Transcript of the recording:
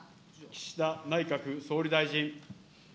岸田内閣総理大臣。